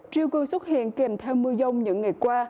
triều cường xuất hiện kèm theo mưa dông những ngày qua